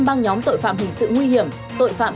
băng nhóm tội phạm hình sự nguy hiểm tội phạm